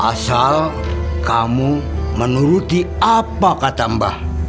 asal kamu menuruti apa kata mbah